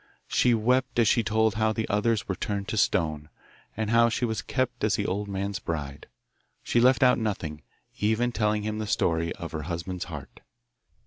She wept as she told how the others were turned to stone, and how she was kept as the old man's bride. She left out nothing, even telling him the story of her husband's heart.